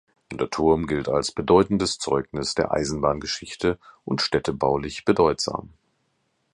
Der Turm gilt als bedeutendes Zeugnis der Eisenbahngeschichte und städtebaulich bedeutsam.